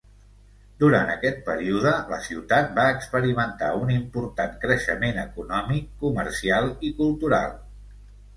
Durant aquest període, la ciutat va experimentar un important creixement econòmic, comercial i cultural.